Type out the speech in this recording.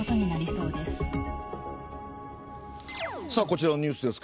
こちらのニュースです。